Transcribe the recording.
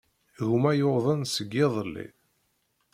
Gma yuḍen seg yiḍelli.